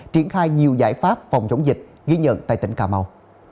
triển khai nhiều giải pháp phòng chống dịch ghi nhận tại tỉnh cà mau